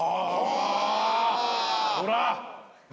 ほら！